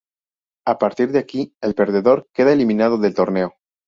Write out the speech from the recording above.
A partir de aquí el perdedor queda eliminado del torneo.